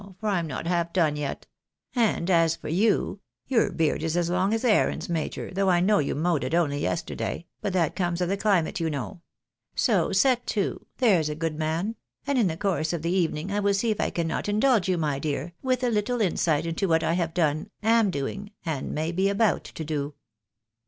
for I'm not half done yet ; and as for you, your beard is as long as Aaron's, major, though I know you mowed it only yesterday, but that comes of the climate, you know ; so set to, there's a good man ; and in the course of the evening I will see if I cannot indulge you, my dear, with a little insight into what I have done, am doing, and may be about to do."